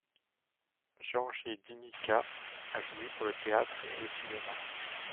Gheorghe Dinică a joué pour le théâtre et le cinéma.